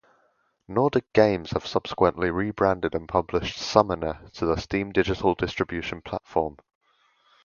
Nordic Games have subsequently re-branded and published Summoner to the Steam Digital Distribution Platform.